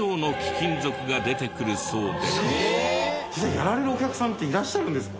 やられるお客さんっていらっしゃるんですか？